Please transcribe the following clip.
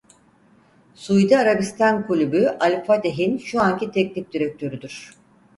Suudi Arabistan kulübü Al-Fateh'in şu anki teknik direktörüdür.